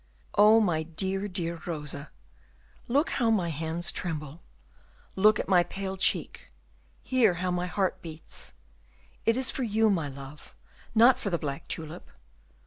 "Oh, my dear, dear Rosa! look how my hands tremble; look at my pale cheek, hear how my heart beats. It is for you, my love, not for the black tulip.